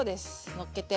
のっけて。